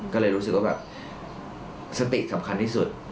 ก็เลยรู้สึกว่าแบบสติสำคัญที่สุด